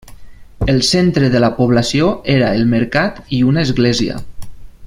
El centre de la població era el mercat i una església.